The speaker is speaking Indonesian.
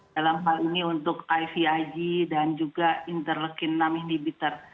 dalam hal ini untuk ivig dan juga interleukin enam indibiter